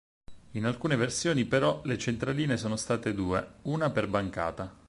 In alcune versioni, però, le centraline sono state due, una per bancata.